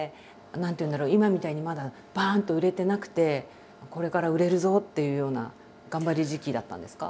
今みたいにまだバンと売れてなくてこれから売れるぞっていうような頑張り時期だったんですか？